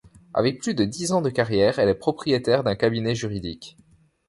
Avec plus de dix ans de carrière, elle est propriétaire d'un cabinet juridique.